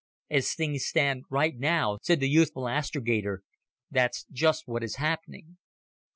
"As things stand right now," said the youthful astrogator, "that's just what is happening."